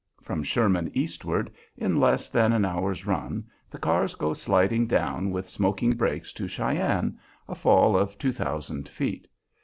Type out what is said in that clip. From Sherman, eastward, in less than an hour's run the cars go sliding down with smoking brakes to Cheyenne, a fall of two thousand feet.